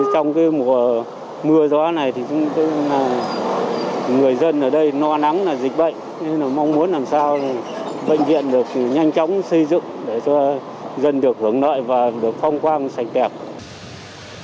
trong mùa gió này người dân ở đây no nắng là dịch bệnh mong muốn làm sao bệnh viện được nhanh chóng xây dựng để cho dân được hưởng nợi và được phong quang sạch đẹp